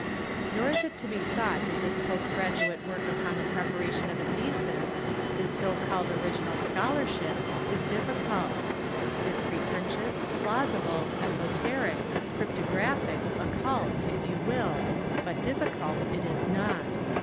Nor is it to be thought that this post gradu ate work upon the preparation of a thesis, this so called original scholarship is difficult. It is pretentious, plausible, esoteric, cryptographic, occult, if you will, but difficult it is not.